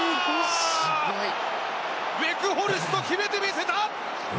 ウェクホルスト、決めてみせた！